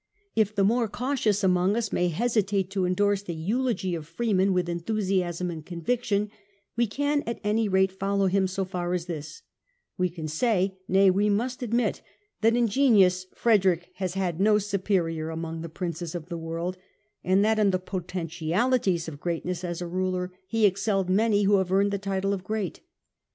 If the more cautious among us may hesitate to endorse the eulogy of Freeman with enthusiasm and conviction, we can at any rate follow him so far as this : we can, nay, we must admit, that in genius Frederick has had no superior among the princes of the world, and that in the potentialities of greatness as a ruler he excelled many who have earned the title of ' great.'